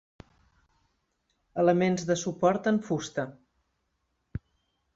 Elements de suport en fusta.